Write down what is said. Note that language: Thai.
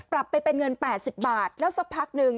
กลับไปเป็นเงิน๘๐บาทแล้วสักพักหนึ่ง